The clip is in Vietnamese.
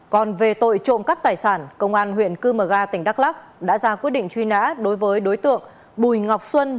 còn về tội trộm cắp tài sản công an huyện cư mờ ga tỉnh đắk lắc đã ra quyết định truy nã đối với đối tượng bùi ngọc xuân